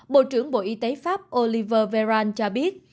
bộ trưởng bộ y tế pháp oliver veran cho biết